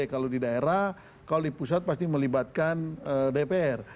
kalau di daerah kalau di pusat pasti melibatkan dpr